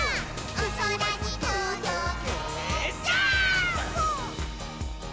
「おそらにとどけジャンプ！！」